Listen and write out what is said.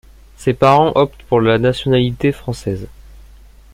Ses parents optent pour la nationalité française.